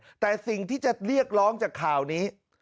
แต่สิ่งที่จะเรียกร้องจากข่าวนี้